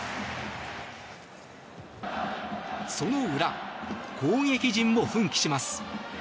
その裏、攻撃陣も奮起します。